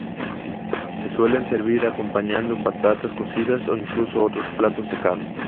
Se suelen servir acompañando patatas cocidas o incluso otros platos de carne.